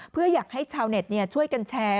เพื่ออยากให้ชาวเน็ตช่วยกันแชร์